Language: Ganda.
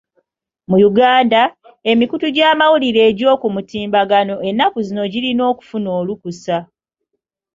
Mu Uganda, emikutu gy'amawulire egy'oku mutimbagano ennaku zino girina okufuna olukusa.